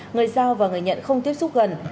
người giao và người nhận không tiếp xúc gần